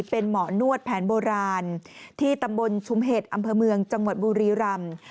เป็นหมอนวดแผนโบราณที่ตำบลชุมเห็ดอำเภอเมืองจังหวัดบุรีรำ